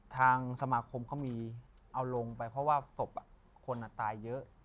ทางสมาคมเขามีเอาลงไปเพราะว่าศพคนตายเยอะ